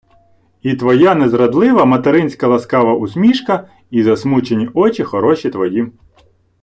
І твоя незрадлива материнська ласкава усмішка, і засмучені очі хороші твої